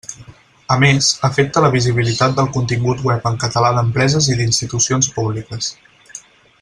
A més, afecta la visibilitat del contingut web en català d'empreses i d'institucions públiques.